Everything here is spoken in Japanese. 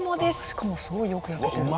しかもすごいよく焼けてる。